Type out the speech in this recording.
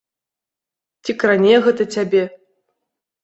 Ці кране гэта цябе?